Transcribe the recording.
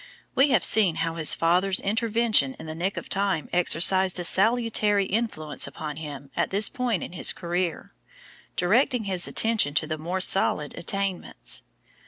We have seen how his father's intervention in the nick of time exercised a salutary influence upon him at this point in his career, directing his attention to the more solid attainments.